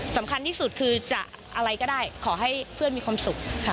สำคัญที่สุดคือจะอะไรก็ได้ขอให้เพื่อนมีความสุขค่ะ